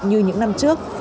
như những năm trước